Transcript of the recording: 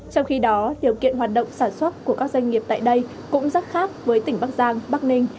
trong khi đó điều kiện hoạt động sản xuất của các doanh nghiệp tại đây cũng rất khác với tỉnh bắc giang bắc ninh